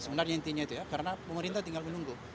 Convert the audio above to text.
sebenarnya intinya itu ya karena pemerintah tinggal menunggu